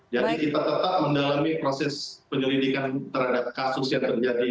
jadi kita tetap mendalami proses penyelidikan terhadap kasus yang terjadi